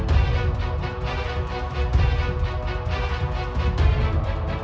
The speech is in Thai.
เพราะเราดูตรงนั้นกันนะครับ